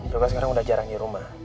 bapak sekarang udah jarang di rumah